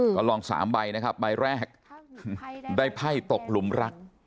ก็ลอง๓ใบนะครับใบแรกได้ไพ่ตกหลุมรัก